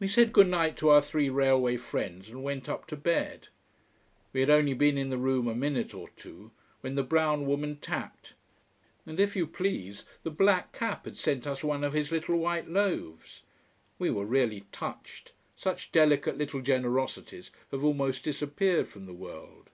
We said Good night to our three railway friends, and went up to bed. We had only been in the room a minute or two, when the brown woman tapped: and if you please, the black cap had sent us one of his little white loaves. We were really touched. Such delicate little generosities have almost disappeared from the world.